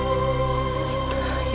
itu bukanlah pencari